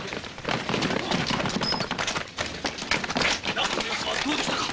中の様子はどうでしたか？